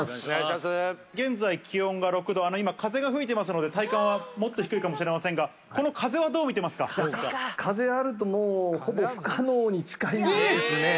現在、気温が６度、今、風が吹いてますので、体感はもっと低いかもしれませんが、風あると、もう、ほぼ不可能に近いんですね。